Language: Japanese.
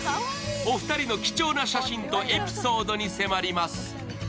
お二人の貴重な写真とエピソードに迫ります。